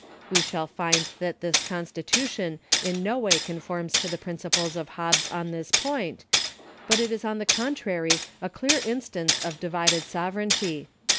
We shall find that this constitution in no way conforms to the principles of Hobbes on this point, but is on the contrary a clear instance of divided sovereignty.